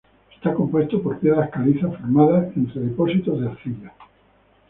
Está compuesto por piedras calizas formadas entre depósitos de arcilla.